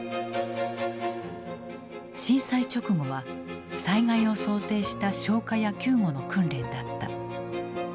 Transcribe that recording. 震災直後は災害を想定した消火や救護の訓練だった。